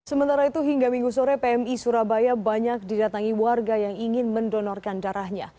sementara itu hingga minggu sore pmi surabaya banyak didatangi warga yang ingin mendonorkan darahnya